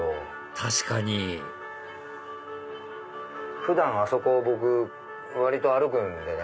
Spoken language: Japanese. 確かに普段あそこを僕割と歩くんでね。